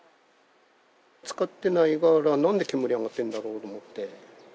使ってないから、なんで煙、上がってるんだろうと思って。